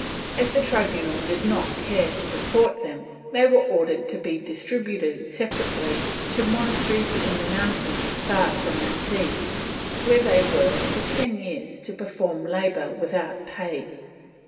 As the tribunal did not care to support them, they were ordered to be distributed separately to monas teries in the mountains, far from the sea, where they were, for ten years, to perform labor without pay.